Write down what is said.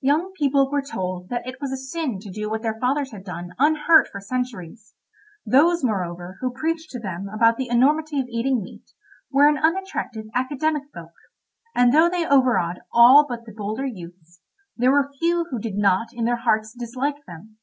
Young people were told that it was a sin to do what their fathers had done unhurt for centuries; those, moreover, who preached to them about the enormity of eating meat, were an unattractive academic folk, and though they over awed all but the bolder youths, there were few who did not in their hearts dislike them.